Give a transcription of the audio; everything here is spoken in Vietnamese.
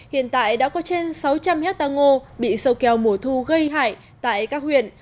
hiện tại đã có trên sáu trăm linh hectare ngô bị sâu keo mùa thu gây hại tại các huyện